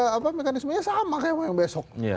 tapi kan mekanismenya sama kayak yang besok